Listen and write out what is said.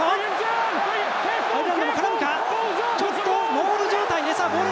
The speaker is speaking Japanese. モール状態。